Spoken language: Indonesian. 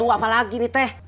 apa lagi nih teh